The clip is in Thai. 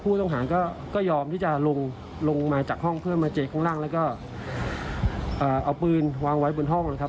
ผู้ต้องหาก็ยอมที่จะลงลงมาจากห้องเพื่อมาเจอข้างล่างแล้วก็เอาปืนวางไว้บนห้องนะครับ